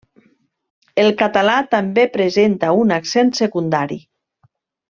El català també presenta un accent secundari.